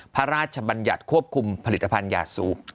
พระราชบัญญัติควบคุมผลิตภัณฑ์ยาซู